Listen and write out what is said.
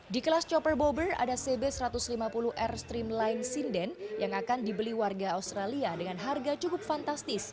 di kelas chopperbor ada cb satu ratus lima puluh air streamline sinden yang akan dibeli warga australia dengan harga cukup fantastis